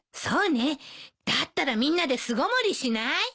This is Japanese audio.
そうねだったらみんなで巣ごもりしない？